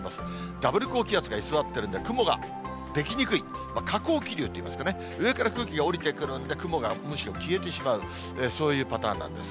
ダブル高気圧が居座ってるんで、雲が出来にくい、下降気流といいますかね、上から空気が下りてくるんで、雲がむしろ消えてしまう、そういうパターンなんです。